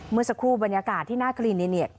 เมื่อสักครู่บรรยากาศที่หน้าคลินิเน็ต